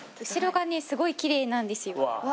後ろがねすごいきれいなんです。